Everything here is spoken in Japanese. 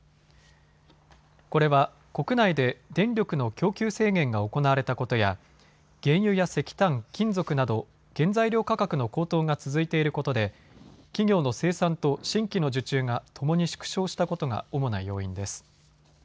これは国内で電力の供給制限が行われたことや原油や石炭、金属など原材料価格の高騰が続いていることで企業の生産と新規の受注がともに縮小したことが主な要因です。